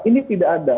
ini tidak ada